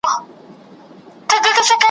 له مانه کیږي دا لاري په سکروټو کي مزلونه ,